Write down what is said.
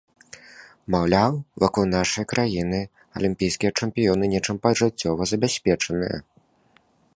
Маўляў, вакол нашай краіны алімпійскія чэмпіёны нечым пажыццёва забяспечаныя.